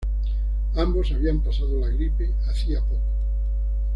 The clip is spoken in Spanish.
Ambos habían pasado la gripe hacía poco".